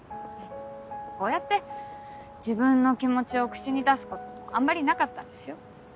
こうやって自分の気持ちを口に出すことあんまりなかったんですよ。